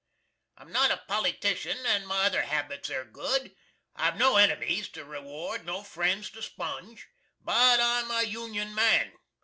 I'm not a politician and my other habits air good. I've no enemys to reward, nor friends to sponge. But I'm a Union man.